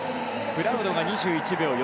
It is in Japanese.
プラウドが２１秒４２。